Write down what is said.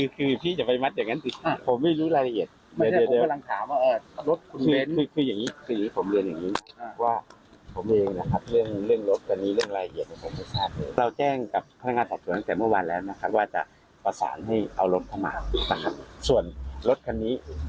ครับครอบครัวนี่แสดงว่าทำธุรกิจร่วมกัน